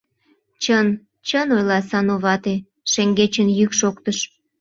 — Чын, чын ойла Сану вате! — шеҥгечын йӱк шоктыш.